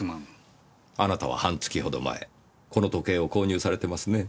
あなたは半月ほど前この時計を購入されてますね？